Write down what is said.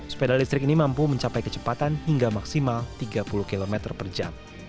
sepeda listrik ini mampu mencapai kecepatan hingga maksimal tiga puluh km per jam